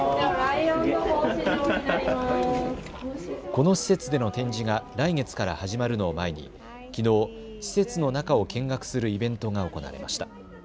この施設での展示が来月から始まるのを前にきのう施設の中を見学するイベントが行われました。